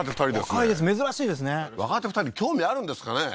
若いです珍しいですね若手２人興味あるんですかね？